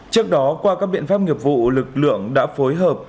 trước đó qua các biện pháp nghiệp vụ lực lượng đã phối hợp